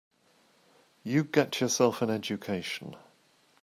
You get yourself an education.